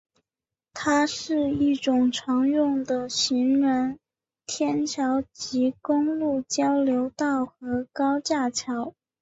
它是一种常用的行人天桥及公路交流道和高架桥。